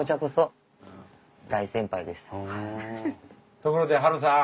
ところでハルさん。